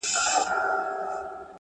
o سیاه پوسي ده، برباد دی،